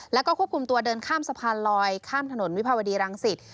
แล้วก็ควบคุมตัวเดินข้ามสะพานลอยข้ามถนนวิภาวดีรังสิต